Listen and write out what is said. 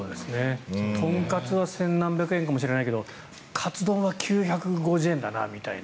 豚カツは千何百円かもしれないけどカツ丼は９５０円だなみたいな。